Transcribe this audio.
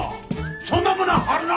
そんなもの貼るな！